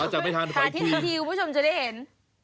จับไม่ทันสาธิตอีกทีคุณผู้ชมจะได้เห็น